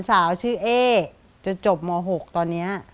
สาวชื่อเอ๊จนจบม๖ตอนนี้